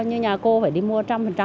như nhà cô phải đi mua một trăm linh